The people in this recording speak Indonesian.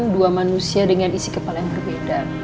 dua manusia dengan isi kepala yang berbeda